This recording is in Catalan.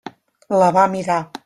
La va mirar.